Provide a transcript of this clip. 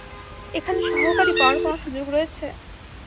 এখানে সহকারী পাওয়ার কোন সুযোগ রয়েছে?